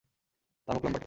তার মুখ লম্বাটে।